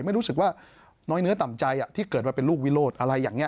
ไม่รู้สึกว่าน้อยเนื้อต่ำใจที่เกิดมาเป็นลูกวิโรธอะไรอย่างนี้